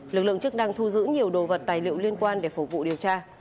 lực lượng chức năng thu giữ nhiều đồ vật tài liệu liên quan để phục vụ điều tra